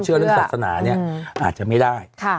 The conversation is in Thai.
เชื่อเรื่องศาสนาเนี่ยอาจจะไม่ได้